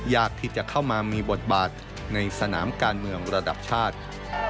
ยากที่จะเข้ามามีบทบาทในสนามการเมืองระดับชาติ